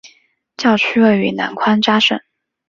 教区位于南宽扎省。